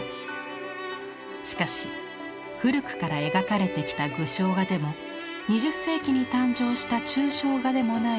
しかし古くから描かれてきた具象画でも２０世紀に誕生した抽象画でもない